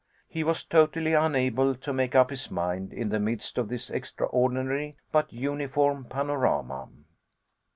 He was totally unable to make up his mind in the midst of this extraordinary but uniform panorama.